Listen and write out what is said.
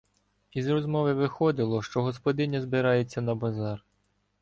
Із розмови виходило, що господиня збирається на базар.